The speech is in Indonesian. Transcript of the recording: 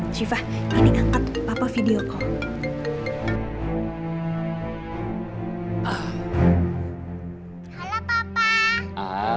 syifa ini angkat papa video call